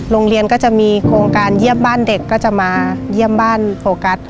โรงเรียนก็จะมีโครงการเยี่ยมบ้านเด็กก็จะมาเยี่ยมบ้านโฟกัส